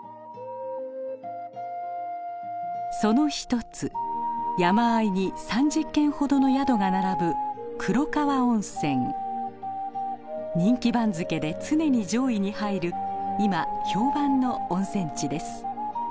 その１つ山あいに３０軒ほどの宿が並ぶ人気番付で常に上位に入る今評判の温泉地です。